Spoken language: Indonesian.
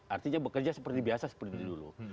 artinya bekerja seperti biasa seperti dulu